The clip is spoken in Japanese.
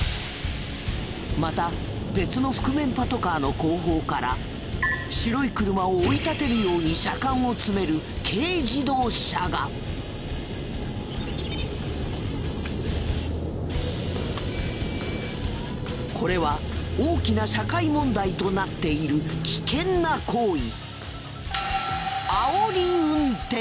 また別の覆面パトカーの後方から白い車を追い立てるようにこれは大きな社会問題となっている危険な行為。